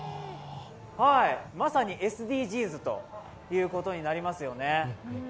まさにＳＤＧｓということになりますよね。